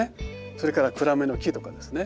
それから暗めの木とかですね